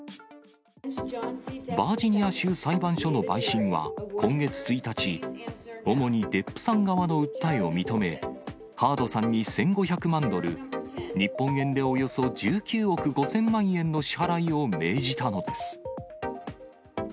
バージニア州裁判所の陪審は、今月１日、主にデップさん側の訴えを認め、ハードさんに１５００万ドル、日本円でおよそ１９億５０００万円の支払いを命じたのです。